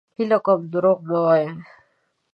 هيله کوم دروغ مه وايه!